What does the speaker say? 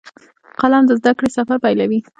قلم د زده کړې سفر پیلوي